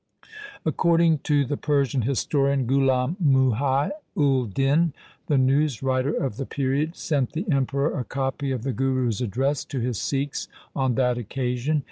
According to the Persian historian Ghulam Muhai ul Din, the newswriter of the period sent the Emperor a copy of the Guru's address to his Sikhs on that occasion.